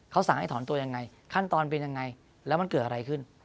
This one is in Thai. เขาสั่งให้ถอนตัวยังไงขั้นตอนเป็นยังไงแล้วมันเกิดอะไรขึ้น